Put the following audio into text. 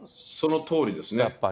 そのとおりですね。